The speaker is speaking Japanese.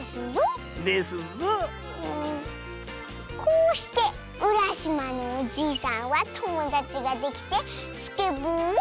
こうしてうらしまのおじいさんはともだちができてスケボーをはじめたとさ。